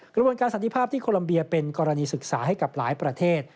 กระบวนการสันติภาพที่โคลัมเบียเป็นกรณีศึกษาให้กับหลายประเทศ